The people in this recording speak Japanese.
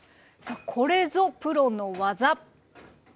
これぞプロの技！